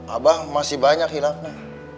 abah masih banyak hilangnya